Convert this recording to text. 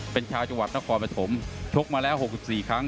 เป็นชาวจังหวัดนครปฐมชกมาแล้ว๖๔ครั้ง